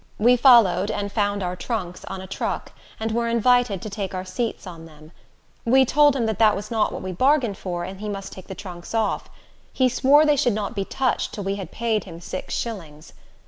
We followed, and found our trunks on a truck, and we were invited to take our seats on them. We told him that was not what we bargained for, and he must take the trunks off. He swore they should not be touched till we had paid him six shillings.